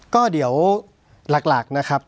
ก็เดี๋ยวหลักนะครับ